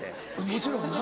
もちろんな。